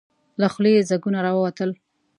له خولې يې ځګونه راووتل.